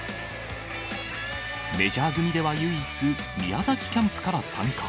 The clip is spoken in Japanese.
メジャー組では唯一、宮崎キャンプから参加。